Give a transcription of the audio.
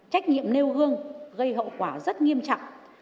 trách nhiệm nêu gương gây hậu quả rất nghiêm trọng